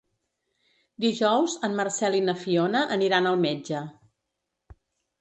Dijous en Marcel i na Fiona aniran al metge.